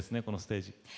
このステージ。